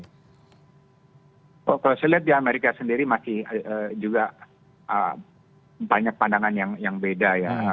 kalau saya lihat di amerika sendiri masih juga banyak pandangan yang beda ya